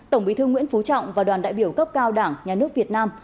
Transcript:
tổng bí thư nguyễn phú trọng và đoàn đại biểu cấp cao đảng nhà nước việt nam